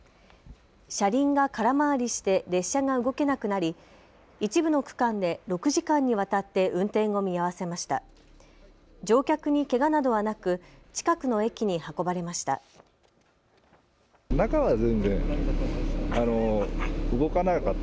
車輪が空回りして列車が動けなくなり一部の区間で６時間にわたって運転を見合わせました。